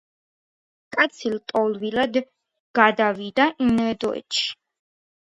კაცი ლტოლვილად გადავიდა ინდოეთში.